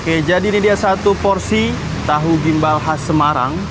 oke jadi ini dia satu porsi tahu gimbal khas semarang